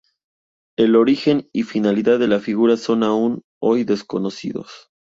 El origen y finalidad de la figura son aún hoy desconocidos.